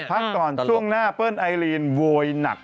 พักก่อนช่วงหน้าเปิ้ลไอลีนโวยหนัก